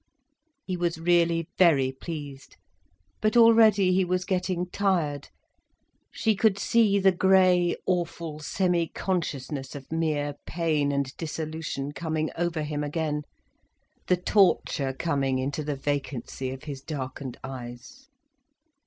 He was really very pleased. But already he was getting tired. She could see the grey, awful semi consciousness of mere pain and dissolution coming over him again, the torture coming into the vacancy of his darkened eyes.